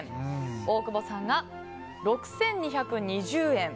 大久保さんが６２２０円。